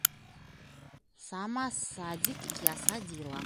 Сама садик я садила